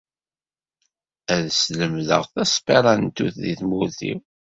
Ad slemdeɣ tasperantut deg tmurt-iw.